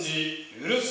許す。